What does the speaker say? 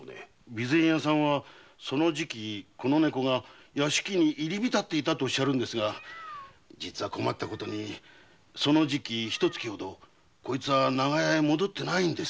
備前屋は当時この猫が屋敷に入り浸っていたと言うんですが困ったことにその時期ひと月ほどこいつは長屋へ戻ってないんです。